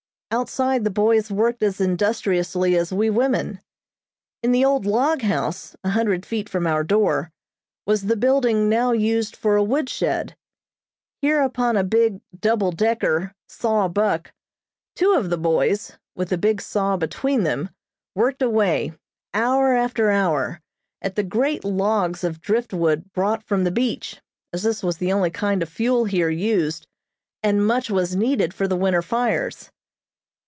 Outside the boys worked as industriously as we women. In the old log house, a hundred feet from our door, was the building now used for a woodshed. Here, upon a big "double decker" saw buck, two of the boys, with the big saw between them, worked away, hour after hour, at the great logs of driftwood brought from the beach, as this was the only kind of fuel here used, and much was needed for the winter fires.